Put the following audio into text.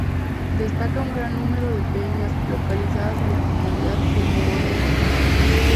Destaca un gran número de peñas localizadas en la comunidad El Mogote.